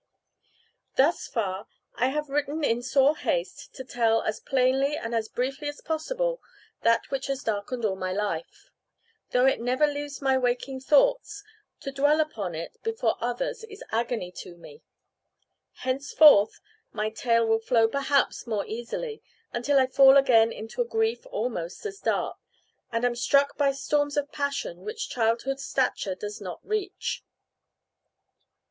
Thus far, I have written in sore haste, to tell, as plainly and as briefly as possible, that which has darkened all my life. Though it never leaves my waking thoughts, to dwell upon it before others is agony to me. Henceforth my tale will flow perhaps more easily, until I fall again into a grief almost as dark, and am struck by storms of passion which childhood's stature does not reach.